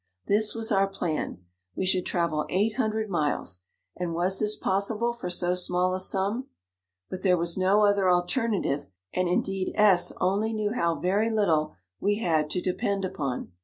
This was our plan ; we should travel eight hundred miles, and was this possible for so small 55 a sum ? but there was no other alter native, and indeed S only knew how very little we had to depend upon.